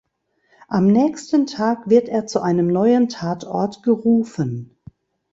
Am nächsten Tag wird er zu einem neuen Tatort gerufen.